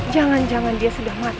jangan jangan dia sudah mati